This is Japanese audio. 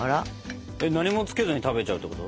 何もつけずに食べちゃうってこと？